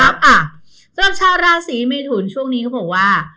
สำหรับชาวราศีเมทุนช่วงนี้เขาบอกว่า